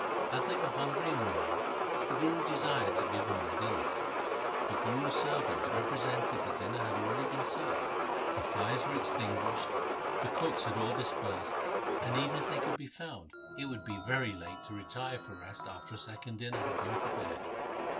As they were hungry and weary, the Guru desired to give them their dinner. The Guru's servants represented that dinner had already been served, the fires were extinguished, the cooks had all dispersed, and even if they could be found, it would be very late to retire for rest after a second dinner had been pre pared.